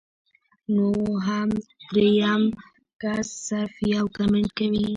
نو هر دويم کس صرف يو کمنټ کوي